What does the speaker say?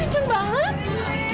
itu kan kencang banget